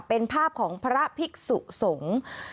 เป็นภาพของพระภิกษุสงฆ์